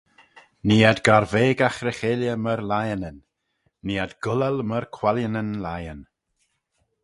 Nee ad garveigagh ry-cheilley myr lionyn: nee ad gullal myr quallianyn lion.